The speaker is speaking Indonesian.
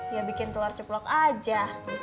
ya bikin tular ceplok aja